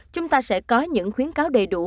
chúng ta sẽ có những khuyến cáo đầy đủ